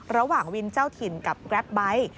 ระหว่างวินเจ้าถิ่นกับแกรปไบท์